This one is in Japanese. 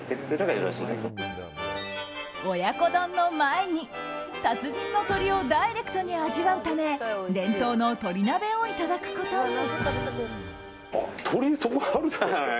親子丼の前に、達人の鶏をダイレクトに味わうため伝統の鳥鍋をいただくことに。